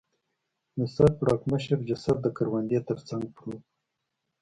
د سر پړکمشر جسد د کروندې تر څنګ پروت و.